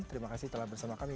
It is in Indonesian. terima kasih telah bersama kami